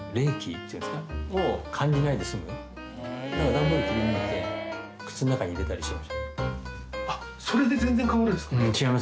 「段ボール切り抜いて靴の中に入れたりしてました」